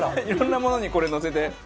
いろんなものにこれのせて。